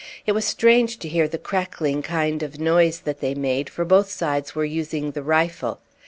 It was strange to hear the crackling kind of noise that they made, for both sides were using the rifle.